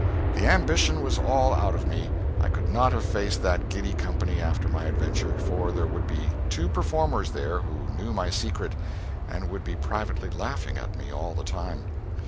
The ambition was all out of me. I could not have faced that giddy company after my adventure, for there would be two performers there who knew my secret, and would be privately laughing at me all the time.